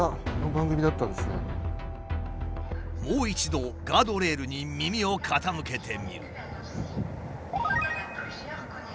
もう一度ガードレールに耳を傾けてみる。